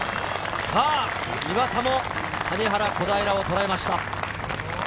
岩田も谷原、小平をとらえました。